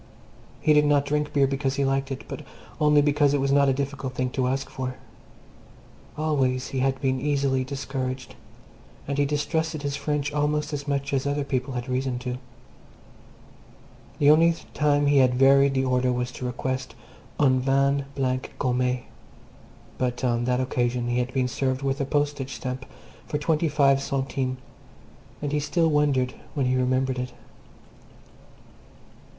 He did not drink beer because he liked it, but only because it was not a difficult thing to ask for. Always he had been easily discouraged, and he distrusted his French almost as much as other people had reason to. The only time he had varied the order was to request "un vin blanc gommée," but on that occasion he had been served with a postage stamp for twenty five centimes, and he still wondered when he remembered it.